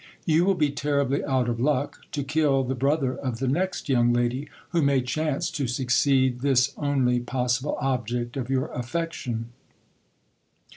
You will be terribly out of luck to kill the brother of the next young lady who may chance to succeed this only possible object of your affection.